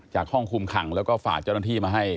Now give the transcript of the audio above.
จากห้องคุมขั่งและก็ฝากเจ้านักที่มาให้